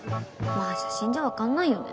まあ写真じゃ分かんないよね。